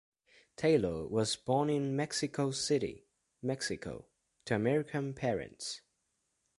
Taylor was born in Mexico City, Mexico, to American parents.